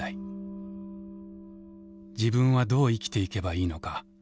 自分はどう生きていけばいいのか。